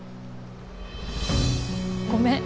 ごめん。